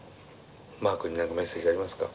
マー君に何かメッセージありますか？